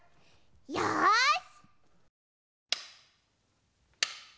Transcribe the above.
よし！